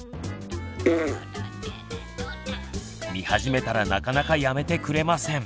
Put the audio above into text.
見始めたらなかなかやめてくれません。